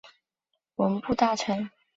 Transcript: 文部大臣。